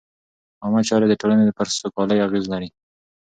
عامه چارې د ټولنې پر سوکالۍ اغېز لري.